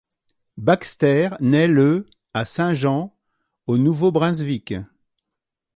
Baxter naît le à Saint-Jean, au Nouveau-Brunswick.